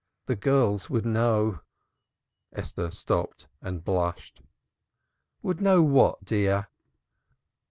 The girls would know '" Esther stopped and blushed. "Would know what, dear?"